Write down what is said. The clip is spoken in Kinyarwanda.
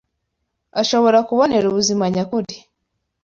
ashobora kubonera ubuzima nyakuri